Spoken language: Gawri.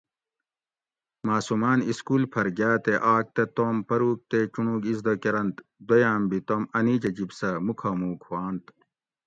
ماۤسوماۤن اِسکول پھر گاۤ تے آۤک تہ توم پروگ تے چُنڑوگ اِزدہ کۤرنت دویاۤم بھی توم انیجۤہ جب سۤہ مُکھامُوک ہُواۤنت